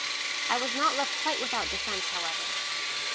I was not left quite without defence, however.